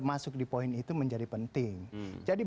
masuk di poin itu menjadi penting jadi